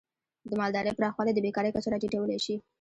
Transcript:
د مالدارۍ پراخوالی د بیکاری کچه راټیټولی شي.